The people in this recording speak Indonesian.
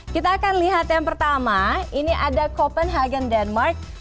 kita akan lihat yang pertama ini ada copenhagen denmark